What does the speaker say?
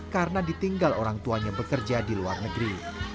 karena ditinggal orang tuanya bekerja di luar negeri